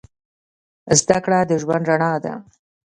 زدهکړه د ژوند رڼا ده